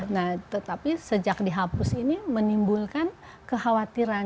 nah tetapi sejak dihapus ini menimbulkan kekhawatiran